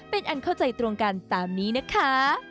เป็นอันเข้าใจตรงกันตามนี้นะคะ